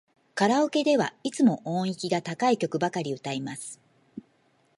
カラオケではいつも音域が高い曲ばかり歌います。